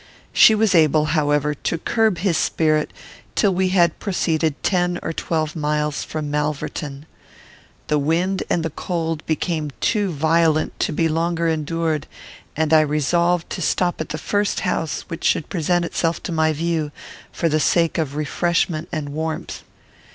She was able, however, to curb his spirit till we had proceeded ten or twelve miles from Malverton. The wind and the cold became too violent to be longer endured, and I resolved to stop at the first house which should present itself to my view, for the sake of refreshment and warmth.